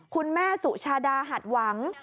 คุณแม่สุชาดาหัดหวัง